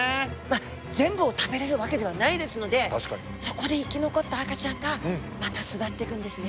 全部を食べれるわけではないですのでそこで生き残った赤ちゃんがまた巣立っていくんですね。